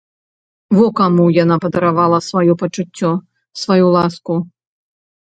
Во каму яна падаравала сваё пачуццё, сваю ласку!